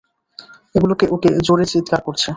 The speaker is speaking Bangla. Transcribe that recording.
ওগুলো ওকে জোরে চিৎকার করছে।